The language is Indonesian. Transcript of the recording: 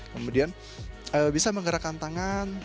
kemudian bisa menggerakkan tangan